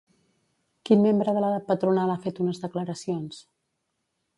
Quin membre de la patronal ha fet unes declaracions?